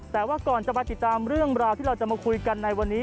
แต่ว่าก่อนจะไปติดตามเรื่องราวที่เราจะมาคุยกันในวันนี้